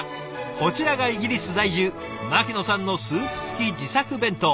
こちらがイギリス在住牧野さんのスープつき自作弁当。